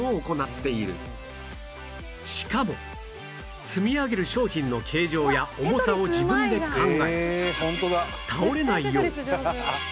しかも積み上げる商品の形状や重さを自分で考え